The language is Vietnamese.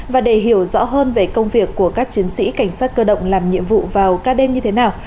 và để hiểu rõ hơn về công việc của các chiến sĩ cảnh sát cơ động làm nhiệm vụ vào ca đêm như thế nào